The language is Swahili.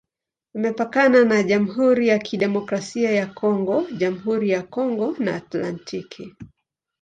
Imepakana na Jamhuri ya Kidemokrasia ya Kongo, Jamhuri ya Kongo na Atlantiki.